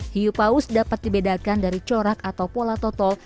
hiupaus dapat dibedakan dari corak atau pola total